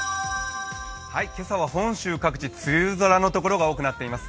今朝は本州各地、梅雨空のところが多くなっています。